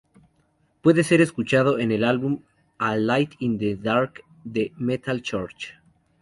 Puede ser escuchado en el álbum "A Light in the Dark", de Metal Church.